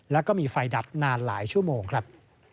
แล้วก็มีไฟดับนานหลายชั่วโมงครับ